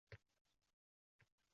Bu yaqin atrofda restoran bormi?